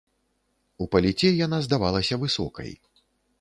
У паліце яна здавалася высокай.